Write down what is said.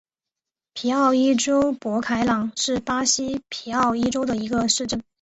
皮奥伊州博凯朗是巴西皮奥伊州的一个市镇。